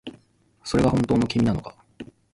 それが本当の君なのか